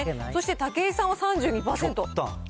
そして、武井さんは３２％。